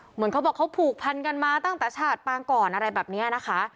เหมือนเขาบอกเขาผูกพันกันมาตั้งแต่ชาติปางก่อนอะไรแบบนี้นะคะ